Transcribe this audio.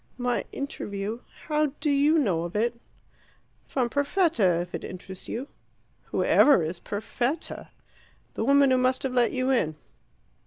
"My interview how do you know of it?" "From Perfetta, if it interests you." "Who ever is Perfetta?" "The woman who must have let you in."